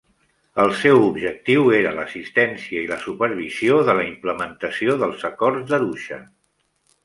El seu objectiu era l'assistència i la supervisió de la implementació dels Acords d'Arusha.